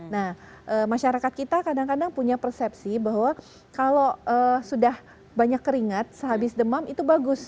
nah masyarakat kita kadang kadang punya persepsi bahwa kalau sudah banyak keringat sehabis demam itu bagus